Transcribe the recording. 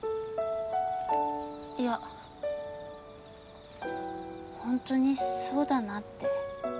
いやホントにそうだなって。